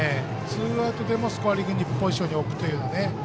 ツーアウトでもスコアリングポジションに置くというね。